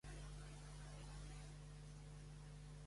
Els membres professionals seleccionats poden votar a l'Annie.